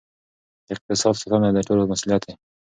د اقتصاد ساتنه د ټولو مسؤلیت دی.